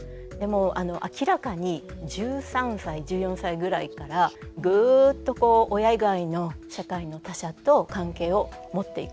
明らかに１３歳１４歳ぐらいからグッとこう親以外の社会の他者と関係を持っていく。